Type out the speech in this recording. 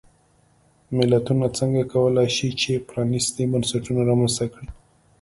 ملتونه څنګه کولای شي چې پرانیستي بنسټونه رامنځته کړي.